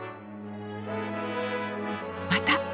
また。